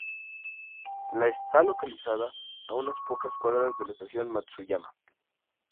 La está localizada a unas pocas cuadras de la Estación Matsuyama.